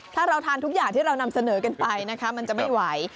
ถ้าเราทานทุกอย่างที่เรานำเสนอกันไปนะคะมันจะไม่ไหว